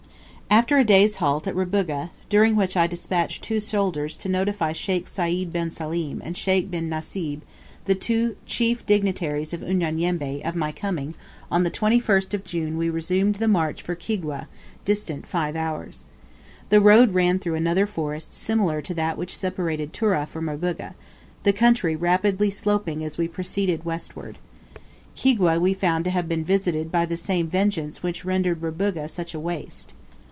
After a day's halt at Rubuga, during which I despatched soldiers to notify Sheikh Sayd bin Salim and Sheikh bin Nasib, the two chief dignitaries of Unyanyembe, of my coming, on the 21st of June we resumed the march for Kigwa, distant five hours. The road ran through another forest similar to that which separated Tura from Rubuga, the country rapidly sloping as we proceeded westward. Kigwa we found to have been visited by the same vengeance which rendered Rubuga such a waste.